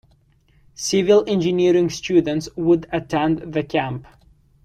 Civil engineering students would attend the camp.